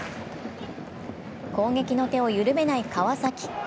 攻撃の手を緩めない川崎。